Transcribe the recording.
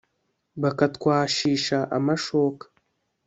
bakatwashisha amashoka